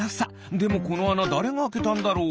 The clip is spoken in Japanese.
でもこのあなだれがあけたんだろう？